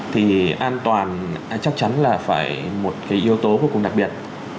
thì an toàn chắc chắn là phải một cái yếu tố vô cùng đặc biệt